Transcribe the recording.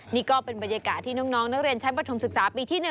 นี่ก็เป็นบรรยากาศที่น้องนักเรียนชั้นประถมศึกษาปีที่๑